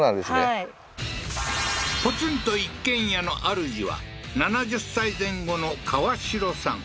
はいポツンと一軒家のあるじは７０歳前後のカワシロさん